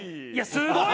すごい。